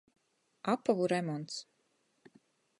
Apovu remonts.